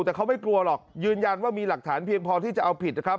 แต่เขาไม่กลัวหรอกยืนยันว่ามีหลักฐานเพียงพอที่จะเอาผิดนะครับ